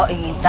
kami sudah kita